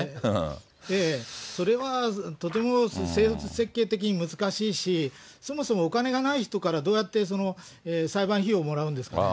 それは、とても制度設計的に難しいし、そもそもお金がない人から、どうやって裁判費用をもらうんですかね。